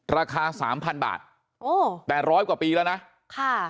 ราคาสามพันบาทโอ้แต่ร้อยกว่าปีแล้วนะค่ะ